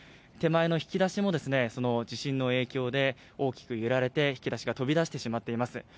手前の引き出しも地震の影響で大きく揺られて引き出しが飛び出してしまっています。